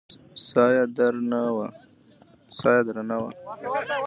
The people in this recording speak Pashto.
ساه يې درنه وه.